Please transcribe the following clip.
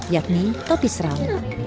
yakni topi serau